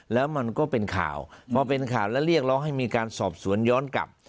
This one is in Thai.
แล้วมันก็เป็นข่าวพอเป็นข่าวแล้วเรียกร้องให้มีการสอบสวนย้อนกลับ